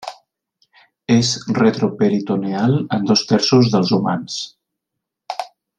És retroperitoneal en dos terços dels humans.